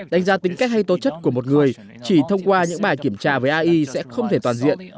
đánh giá tính cách hay tố chất của một người chỉ thông qua những bài kiểm tra với ai sẽ không thể toàn diện và chính xác được